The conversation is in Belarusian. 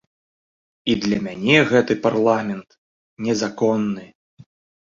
І для мяне гэты парламент незаконны.